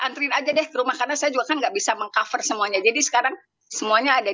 antriin aja deh ke rumah karena saya juga kan nggak bisa meng cover semuanya jadi sekarang semuanya ada